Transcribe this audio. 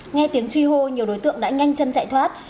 nghe tiếng truy hô nhiều đối tượng đã nhanh chân chạy thoát